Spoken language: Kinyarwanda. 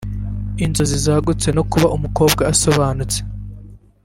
inzozi zagutse no kuba umukobwa usobanutse